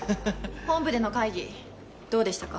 本部での会議どうでしたか？